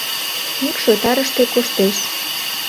Мӱкшотарыште коштеш: